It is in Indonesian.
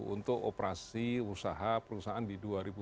untuk operasi usaha perusahaan di dua ribu empat belas lima belas